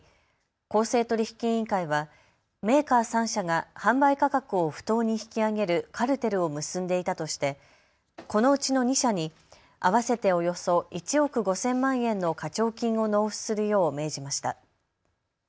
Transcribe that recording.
公正取引委員会はメーカー３社が販売価格を不当に引き上げるカルテルを結んでいたとしてこのうちの２社に合わせておよそ１億５０００万円の課徴金を納付するよう命じました。